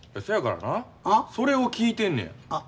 そやからなそれを聞いてんねや。